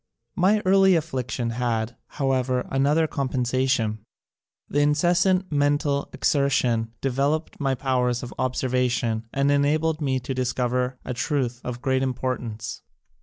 My early affliction had, however, another compensation. The incessant mental exer tion developed my powers of observation and enabled me to discover a truth of great importance.